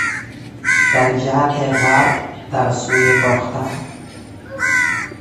در جهت غرب، در سوی باختر